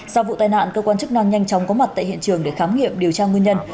sau vụ tai nạn cơ quan chức năng nhanh chóng có mặt tại hiện trường để khám nghiệm điều tra nguyên nhân